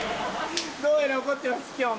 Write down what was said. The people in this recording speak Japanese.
どうやら怒ってます今日も。